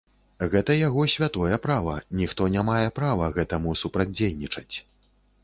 Гэта яго святое права, ніхто не мае права гэтаму супрацьдзейнічаць.